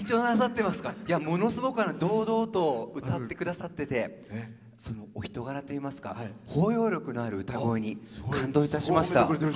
ものすごく堂々と歌ってくださっててお人柄といいますか包容力のある歌声に感動しました。